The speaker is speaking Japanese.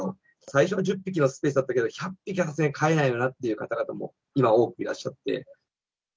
最初の１０匹はスペースあったけど、１００匹はさすがに飼えないよなって方々も、今、多くいらっしゃって。